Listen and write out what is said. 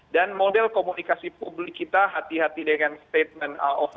dan model komunikasi publik kita hati hati dengan statement of claim